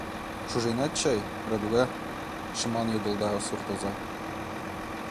— Шуженат чай, Радуга? — шыман йодылда суртоза.